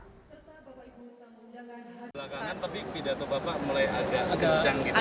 setelah bapak ibu tanggungnya nggak ada hal